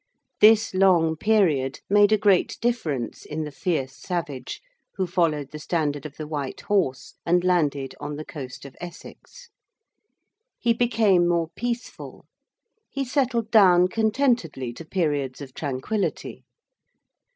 This long period made a great difference in the fierce savage who followed the standard of the White Horse and landed on the coast of Essex. He became more peaceful: he settled down contentedly to periods of tranquillity.